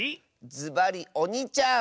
ずばりおにちゃん！